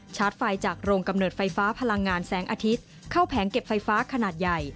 ไฟจากโรงกำเนิดไฟฟ้าพลังงานแสงอาทิตย์เข้าแผงเก็บไฟฟ้าขนาดใหญ่